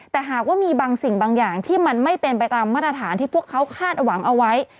แต่หากว่ามีบางสิ่งบางอย่างที่มันไม่เป็นไปตามมาตรฐานที่พวกเขาคาดหวังเอาไว้